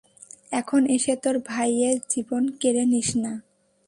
এখন এসে তোর ভাইয়ে জীবন কেড়ে নিস না?